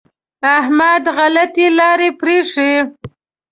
احمد غلطې لارې پرېښې.